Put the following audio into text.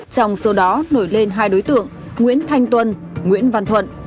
trong số đó nổi lên hai đối tượng nguyễn thanh tuân nguyễn văn thuận